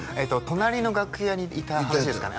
隣の楽屋にいた話ですかね？